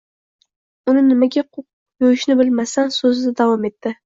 Uni nimaga yo‘yishni bilmasdan, so‘zida davom etdi: